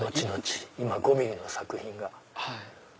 今５ｍｍの作品が。